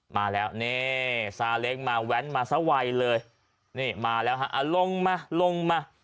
มาแล้วนี่ซาเล้งมาแว้นมาซะวัยเลยนี่มาแล้วฮะลงมาลงมา